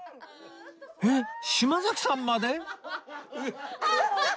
えっ島崎さんまで？